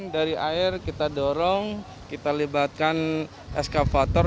dari air kita dorong kita libatkan eskavator